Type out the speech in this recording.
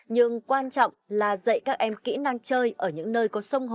nhưng quan trọng là dạy các em kỹ năng chơi